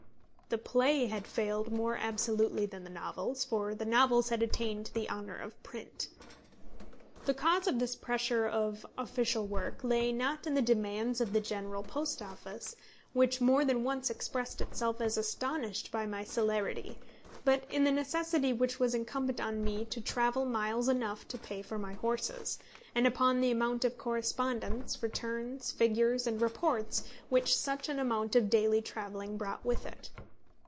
The play had failed more absolutely than the novels, for the novels had attained the honour of print. The cause of this pressure of official work lay, not in the demands of the General Post Office, which more than once expressed itself as astonished by my celerity, but in the necessity which was incumbent on me to travel miles enough to pay for my horses, and upon the amount of correspondence, returns, figures, and reports which such an amount of daily travelling brought with it.